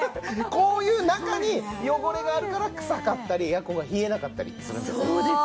こういう中に汚れがあるから臭かったりエアコンが冷えなかったりするんです。